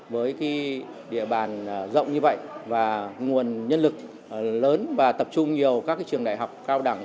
với địa bàn rộng như vậy và nguồn nhân lực lớn và tập trung nhiều các trường đại học cao đẳng